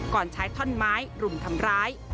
ก่อนใช้ท่อนไม้รุมทำร้าย